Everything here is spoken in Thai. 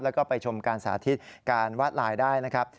แล้วก็ไปชมการสาธิตการวาดลายได้นะครับ